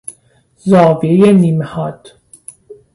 زاویهی نیمه حاد